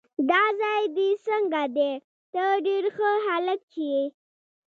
دا ځای دې څنګه دی؟ ته ډېر ښه هلک یې.